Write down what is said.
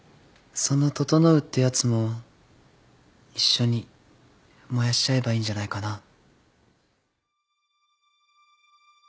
その整ってやつも一緒に燃やしちゃえばいいんじゃないかな。